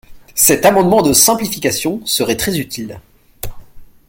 Cet amendement de simplification serait très utile.